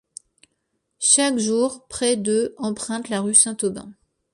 Chaque jour, près de empruntent la Rue Saint-Aubin.